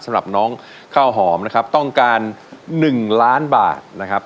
สำหรับน้องข้าวหอมนะครับต้องการ๑ล้านบาทนะครับ